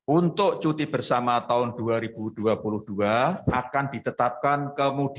untuk cuti bersama tahun dua ribu dua puluh dua akan ditetapkan kemudian